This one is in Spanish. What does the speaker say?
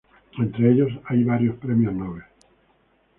Entre ellos hay varios premios Nobel.